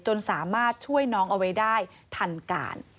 จนสามารถช่วยน้องเอาไว้ได้ทันการ